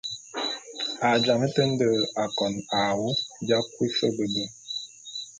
A jamé te nde akon a awu bia kui fe be be.